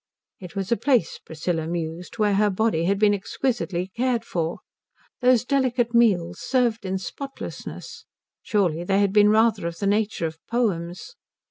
It was a place, Priscilla mused, where her body had been exquisitely cared for. Those delicate meals, served in spotlessness, surely they had been rather of the nature of poems?